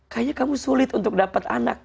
kayaknya kamu sulit untuk dapat anak